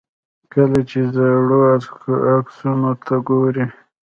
کله چې زاړو عکسونو ته ګورئ.